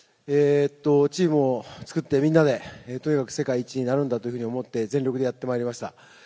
チームを作って、みんなで、とにかく世界一になるんだと思って、全力でやってまいりました。